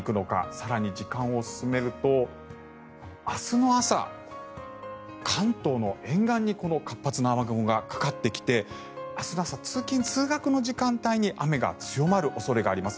更に時間を進めると明日の朝、関東の沿岸にこの活発な雨雲がかかってきて明日の朝、通勤・通学の時間帯に雨が強まる恐れがあります。